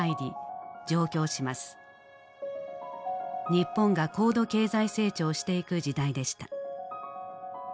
日本が高度経済成長していく時代でした。